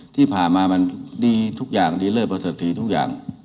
ที่ผ่านมาดีทุกอย่างดีเลยบริษฐินะคะ